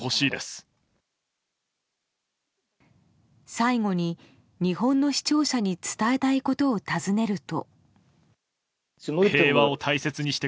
最後に日本の視聴者に伝えたいことを尋ねると。